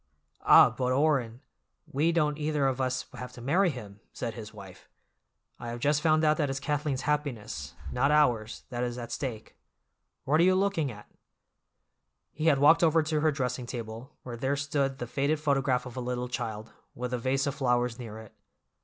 "Ah, but, Orrin, we don't either of us have to marry him," said his wife. "I have just found out that it's Kathleen's happiness, not ours, that is at stake. What are you looking at?" He had walked over to her dressing table, where there stood the faded photograph of a little child, with a vase of flowers near it.